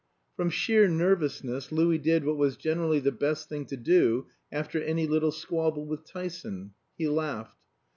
From sheer nervousness Louis did what was generally the best thing to do after any little squabble with Tyson. He laughed.